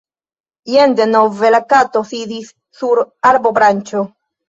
Jen denove la Kato sidis sur arbobranĉo.